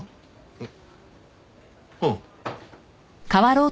うん。